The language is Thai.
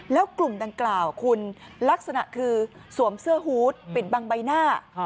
แล้วกลุ่มดังกล่าวคุณลักษณะคือสวมเสื้อฮูตปิดบังใบหน้า